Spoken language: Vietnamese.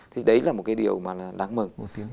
thì đấy là một cái điều mà đáng mừng